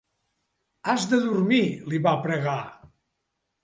Has de dormir, li va pregar.